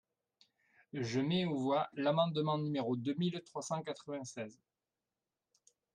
Je mets aux voix l’amendement numéro deux mille trois cent quatre-vingt-seize.